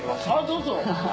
どうぞ。